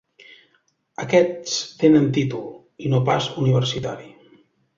Aquests tenen títol, i no pas universitari.